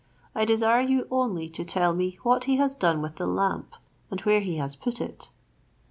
I desire you only to tell me what he has done with the lamp, and where he has put it?"